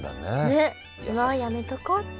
ねっ「今はやめとこう」って。